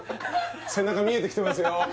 背中見えてきてますよ